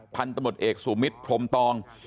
พันตมติเอกสุมิทพร้อมตอง